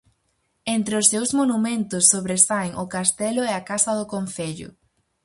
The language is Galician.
Entre os seus monumentos, sobresaen o castelo e a casa do concello.